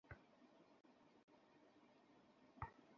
আমি তার পেছনে বসে আছি।